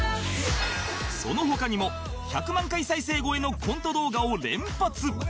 その他にも１００万回再生超えのコント動画を連発